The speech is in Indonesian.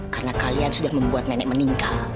karena kalian sudah membuat nenek meninggal